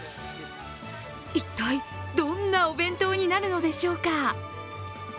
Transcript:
一体どんなお弁当になるのでしょうか。